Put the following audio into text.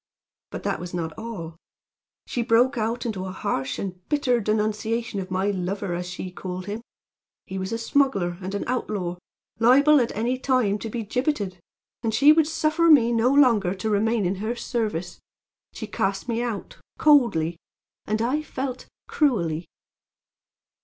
"But that was not all. She broke out into a harsh and bitter denunciation of my lover, as she called him. He was a smuggler and an outlaw, liable at any time to be gibbeted; and she would suffer me no longer to remain in her service. She cast me out, coldly, and, I felt, cruelly.